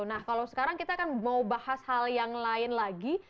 nah kalau sekarang kita akan mau bahas hal yang lain lagi